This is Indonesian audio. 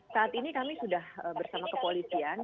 saat ini kami sudah bersama kepolisian